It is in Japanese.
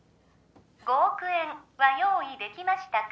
５億円は用意できましたか？